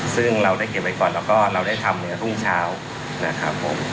ซึ่งเราได้เก็บไว้ก่อนแล้วก็เราได้ทำในรุ่งเช้านะครับผม